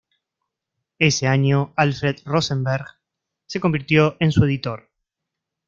Ese año, Alfred Rosenberg se convirtió en su editor.